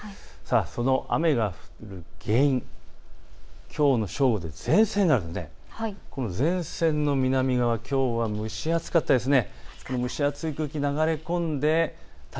その雨が降る原因、きょうの正午で前線がこの前線の南側、きょうは蒸し暑かったですね。